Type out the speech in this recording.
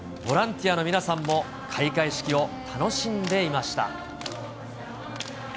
ボランティアの皆さんも開会式を楽しんでいました。